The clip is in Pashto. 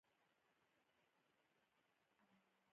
توپک له مینې سره جنګ کوي.